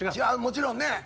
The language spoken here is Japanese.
もちろんね。